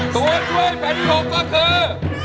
ตัวช่วยแฟนอีกหกก็คือ